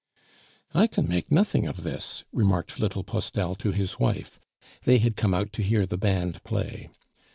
"I can make nothing of this," remarked little Postel to his wife (they had come out to hear the band play).